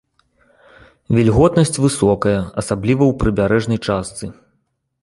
Вільготнасць высокая, асабліва ў прыбярэжнай частцы.